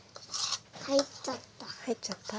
入っちゃった。